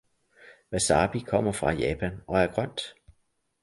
Wasabi kommer fra Japan og er grønt